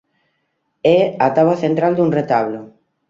É a táboa central dun retablo.